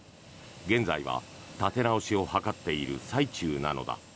現在は立て直しを図っている最中なのだ。